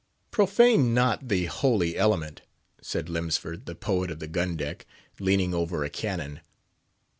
"Profane not the holy element!" said Lemsford, the poet of the gun deck, leaning over a cannon.